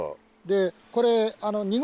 でこれ。